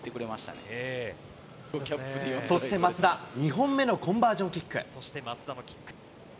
そして松田、２本目のコンバージョンキック。